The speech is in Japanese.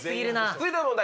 続いての問題